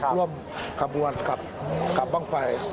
ร่วมคำนวณกับป้องไฟ